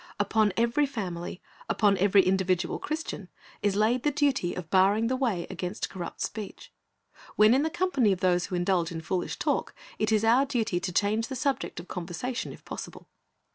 Upon every family, upon every individual Christian, is laid the duty of barring the way against corrupt speech. When in ^he company of those who indulge in foolish talk, it is our duty to change the subject of conversation if possible.